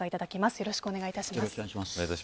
よろしくお願いします。